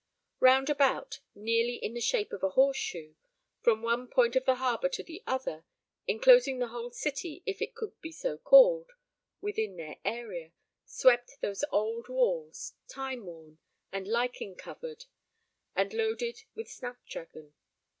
Round about, nearly in the shape of a horse shoe, from one point of the harbour to the other, enclosing the whole city, if it could be so called, within their area, swept those old walls, time worn, and lichen covered, and loaded with snapdragon.